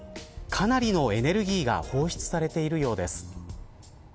かなりのエネルギーが放出されているようです。